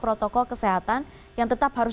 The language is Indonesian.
protokol kesehatan yang tetap harus